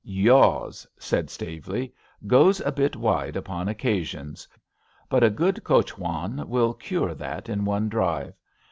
Yaws," said Staveley; ^' goes a bit wide upon occasions, but a good coachwan will cure that in one drive.